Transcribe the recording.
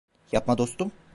Yapma dostum.